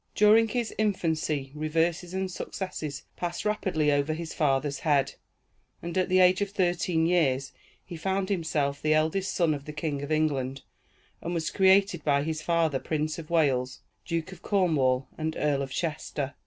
During his infancy reverses and successes passed rapidly over his father's head, and at the age of thirteen years he found himself the eldest son of the King of England, and was created by his father Prince of Wales, Duke of Cornwall, and Earl of Chester.